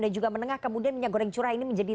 dan juga menengah kemudian minyak goreng curah ini menjadi